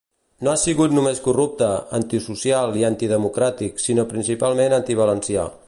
No ha sigut només corrupte, antisocial i antidemocràtic, sinó principalment antivalencià.